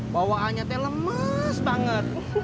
bawaannya lemes banget